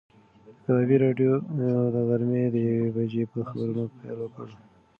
د کبابي راډیو د غرمې د یوې بجې په خبرونو پیل وکړ.